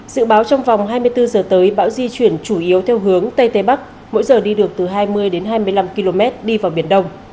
dự báo trong vòng hai mươi bốn giờ tới bão di chuyển chủ yếu theo hướng tây tây bắc mỗi giờ đi được từ hai mươi đến hai mươi năm km đi vào biển đông